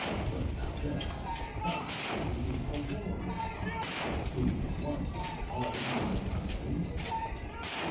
would thou there hadst died Beneath a warrior's arm, whom once I call'd My husband!